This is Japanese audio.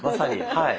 はい。